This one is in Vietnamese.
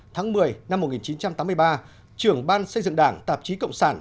tháng một mươi năm một nghìn chín trăm tám mươi ba trưởng ban xây dựng đảng tạp chí cộng sản